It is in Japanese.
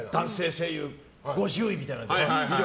声優５０人みたいな。